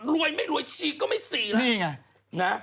รวยไม่รวยชีก็ไม่ซีแล้ว